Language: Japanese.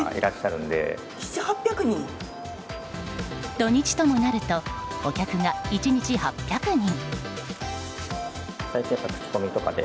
土日ともなるとお客が１日８００人。